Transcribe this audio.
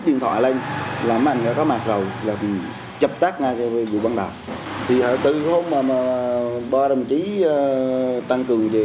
điện thoại lên là anh có mặt đầu là chập tác ngay với vụ bắn đạo từ hôm ba đồng chí tăng cường về